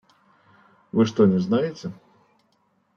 Вы что, не знаете?